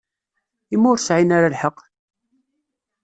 I ma ur sɛin ara lḥeqq?